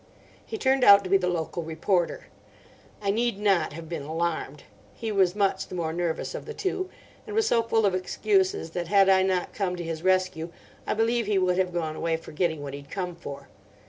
He turned out to be the local reporter. I need not have been alarmed. He was much the more nervous of the two, and was so full of excuses that had I not come to his rescue I believe he would have gone away forgetting what he'd come for.